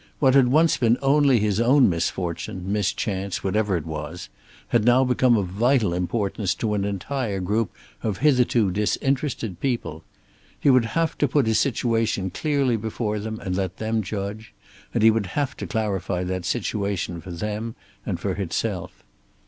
What had once been only his own misfortune, mischance, whatever it was, had now become of vital importance to an entire group of hitherto disinterested people. He would have to put his situation clearly before them and let them judge. And he would have to clarify that situation for them and for himself.